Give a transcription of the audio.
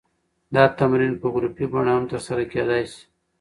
دا تمرین په ګروپي بڼه هم ترسره کېدی شي.